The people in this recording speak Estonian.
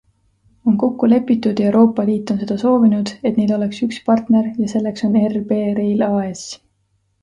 On kokku lepitud ja Euroopa Liit on seda soovinud, et neil oleks üks partner ja selleks on RB Rail AS.